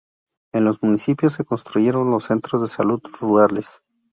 En los municipios, se construyeron los Centros de Salud Rurales.